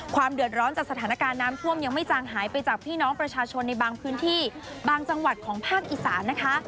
เดือดร้อนจากสถานการณ์น้ำท่วมยังไม่จางหายไปจากพี่น้องประชาชนในบางพื้นที่บางจังหวัดของภาคอีสานนะคะ